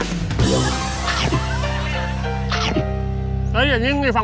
น้ำจิ้มแบบเผ็ดนิดหนึ่งแต่ชอบ